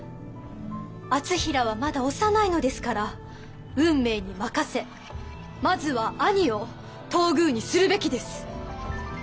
敦成はまだ幼いのですから運命に任せまずは兄を東宮にするべきです。